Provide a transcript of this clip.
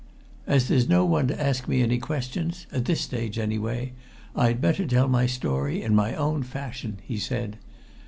"As there's no one to ask me any questions at this stage, anyway I'd better tell my story in my own fashion," he said.